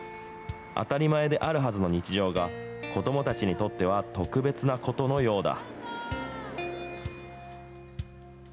当たり前であるはずの日常が、子どもたちにとっては特別なことのようだ。